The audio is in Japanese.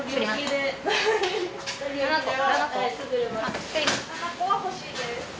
７個は欲しいです。